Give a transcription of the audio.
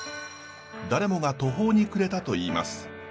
誰もが途方に暮れたといいます。